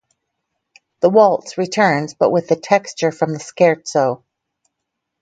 The waltz returns, but with the texture from the scherzo.